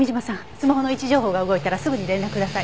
スマホの位置情報が動いたらすぐに連絡ください。